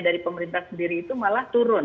dari pemerintah sendiri itu malah turun